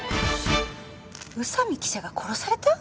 宇佐美記者が殺された！？